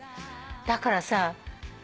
だからさ